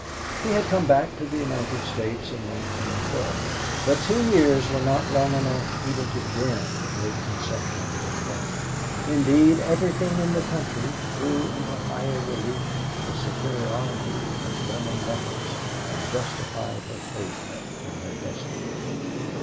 He had come back to the United States in 1912, but two years were not long enough even to dim the great conception he had caught. Indeed, everything in the country threw into higher relief the superiority of German methods and justified her faith in her destiny.